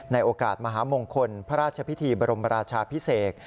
โอกาสมหามงคลพระราชพิธีบรมราชาพิเศษ